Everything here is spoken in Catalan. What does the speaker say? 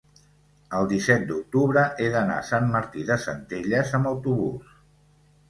el disset d'octubre he d'anar a Sant Martí de Centelles amb autobús.